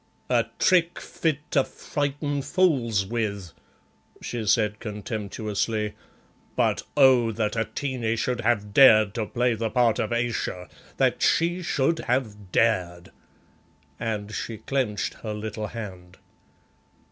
"A trick fit to frighten fools with," she said contemptuously. "But oh! that Atene should have dared to play the part of Ayesha, that she should have dared!" and she clenched her little hand.